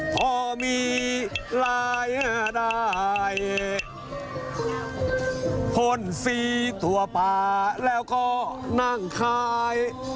พลิกถั่วป่าแล้วก็นั่งคลาย